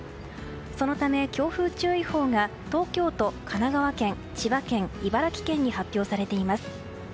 そのため、強風注意報が東京都、神奈川県千葉県、茨城県に発表されています。